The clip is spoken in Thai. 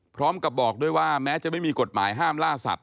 พร้อมกับบอกด้วยว่าแม้จะไม่มีกฎหมายห้ามล่าสัตว